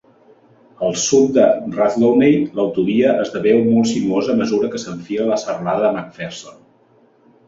Al sud de Rathdowney, l'autovia esdevé molt sinuosa a mesura que s'enfila a la serralada McPherson.